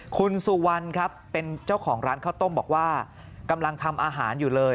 คุณสุวรรณครับเป็นเจ้าของร้านข้าวต้มบอกว่ากำลังทำอาหารอยู่เลย